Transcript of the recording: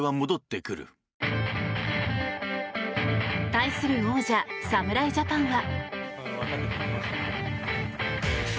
対する王者、侍ジャパンは。